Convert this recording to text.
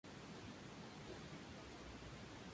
Es difícil de mantener cautivo en acuario.